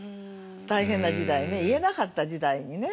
大変な時代ね言えなかった時代にね。